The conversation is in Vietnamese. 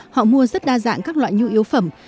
họ mua rất đa dạng các loại nhu yếu phẩm